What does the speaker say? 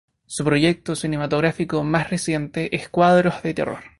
Su proyecto cinematográfico más reciente es "Cuadros de terror".